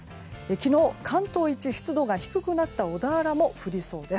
昨日、関東一湿度が低くなった小田原も降りそうです。